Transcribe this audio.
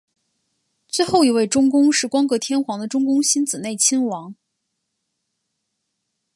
最后一位中宫是光格天皇的中宫欣子内亲王。